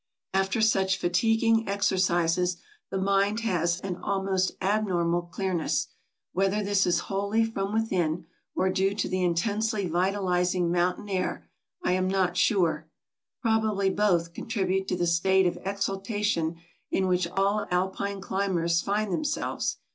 After such fatiguing exercises the mind has an almost abnormal clearness; whether this is wholly from within, or due to the intensely vitalizing mountain air, I am not sure; probably both contribute to the state of exaltation in which all alpine climbers find themselves.